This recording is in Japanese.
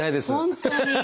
本当に。